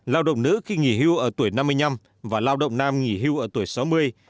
lao động nữ khi nghỉ hưu ở tuổi năm mươi năm và lao động nam nghỉ hưu ở tuổi sáu mươi